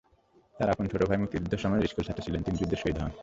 তাঁর আপন ছোট ভাই মুক্তিযুদ্ধের সময় স্কুলছাত্র ছিলেন, তিনি যুদ্ধে শহীদ হন।